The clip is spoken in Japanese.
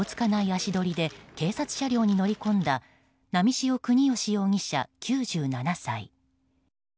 足取りで警察車両に乗り込んだ波汐國芳容疑者、９７歳。